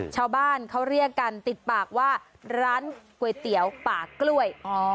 ชาวบ้านเขาเรียกกันติดปากว่าร้านก๋วยเตี๋ยวปากกล้วย